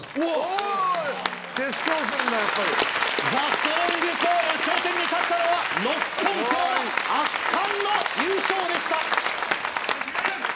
決勝戦だやっぱりザ・ストロングポール頂点に立ったのはノッコン寺田圧巻の優勝でした！